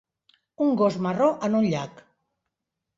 Un gos marró en un llac